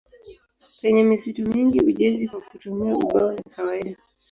Penye misitu mingi ujenzi kwa kutumia ubao ni kawaida.